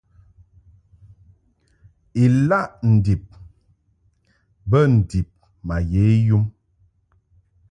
Ilaʼ ndib bə ndib ma ye yum.